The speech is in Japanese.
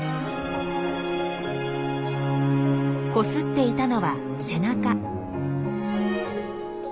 こすっていたのは背中。